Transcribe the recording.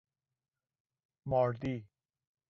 ماردی